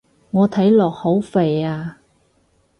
我睇落好肥啊